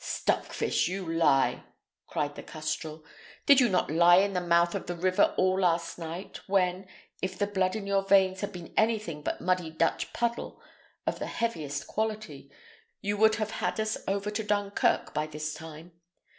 "Stockfish, you lie!" cried the custrel. "Did you not lie in the mouth of the river all last night, when, if the blood in your veins had been anything but muddy Dutch puddle, of the heaviest quality, you would have had us over to Dunkirk by this time?